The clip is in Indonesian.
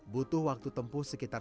butuh waktu tempuh sekitar